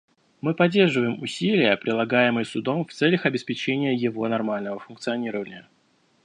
Мы поддерживаем усилия, прилагаемые Судом в целях обеспечения его нормального функционирования.